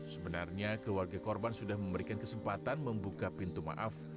sebenarnya keluarga korban sudah memberikan kesempatan membuka pintu maaf